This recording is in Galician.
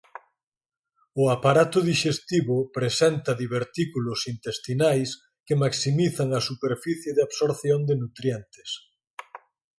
O aparato dixestivo presenta divertículos intestinais que maximizan a superficie de absorción de nutrientes.